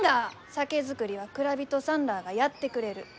酒造りは蔵人さんらあがやってくれる。